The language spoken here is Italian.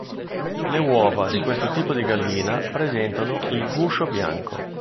Le uova di questo tipo di gallina presentano il guscio bianco.